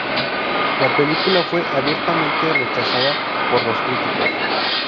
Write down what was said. La película fue abiertamente rechazada por los críticos.